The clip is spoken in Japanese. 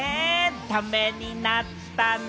ためになったね。